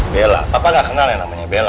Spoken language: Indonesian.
bella papa gak kenal ya namanya bella